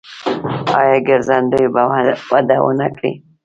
آیا ګرځندوی به وده ونه کړي؟